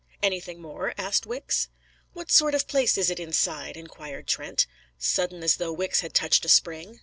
"Anything more?" asked Wicks. "What sort of a place is it inside?" inquired Trent, sudden as though Wicks had touched a spring.